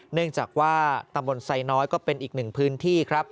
เนื่องจากว่าตำบลไซน้อยก็เป็นอีกหนึ่งพื้นที่ครับ